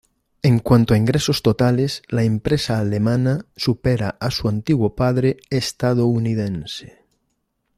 En cuanto a ingresos totales, la empresa alemana supera a su antiguo "padre" estadounidense.